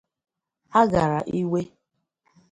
agara iwe